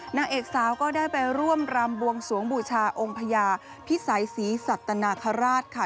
นางเอกสาวก็ได้ไปร่วมรำบวงสวงบูชาองค์พญาพิสัยศรีสัตนาคาราชค่ะ